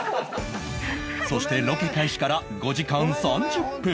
そしてロケ開始から５時間３０分